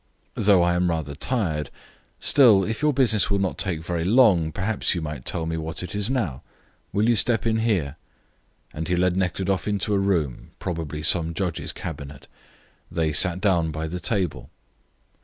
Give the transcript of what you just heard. "Though I am rather tired, still, if your business will not take very long, perhaps you might tell me what it is now. Will you step in here?" And he led Nekhludoff into a room, probably some judge's cabinet. They sat down by the table.